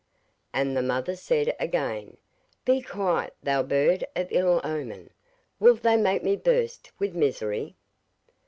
And the mother said again: 'Be quiet! thou bird of ill omen! wilt thou make me burst with misery?